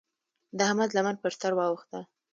د احمد لمن پر سر واوښته.